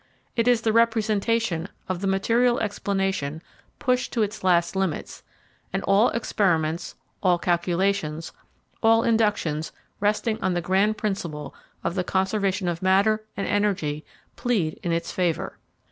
It is the representation of the material explanation pushed to its last limits, and all experiments, all calculations, all inductions resting on the grand principle of the conservation of matter and energy plead in its favour.